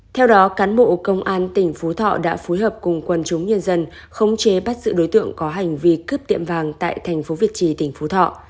theo đó cán bộ công an tỉnh phú thọ đã phối hợp cùng quần chúng nhân dân khống chế bắt giữ đối tượng có hành vi cướp tiệm vàng tại thành phố việt trì tỉnh phú thọ